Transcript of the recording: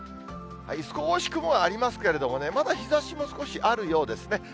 少し雲がありますけれどもね、まだ日ざしも少しあるようですね。